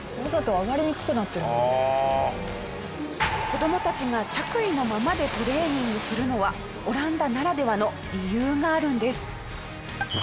子どもたちが着衣のままでトレーニングするのはオランダならではの理由があるんです。